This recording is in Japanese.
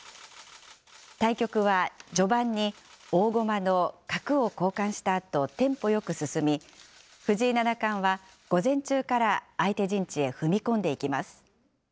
対局は序盤に、大駒の角を交換したあとテンポよく進み、藤井七冠は午前中から相手陣地へ踏み込んでいきます。